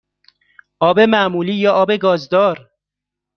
آب معمولی یا آب گازدار؟